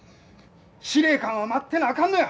司令官は待ってなあかんのや！